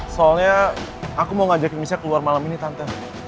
soalnya aku mau ngajakin michelle keluar malam ini tante